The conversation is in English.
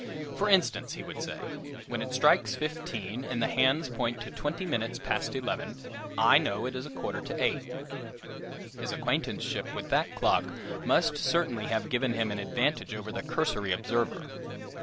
"For instance," he would say, "when it strikes fifteen, and the hands point to twenty minutes past eleven, I know it is a quarter to eight." His acquaintanceship with that clock must certainly have given him an advantage over the cursory observer!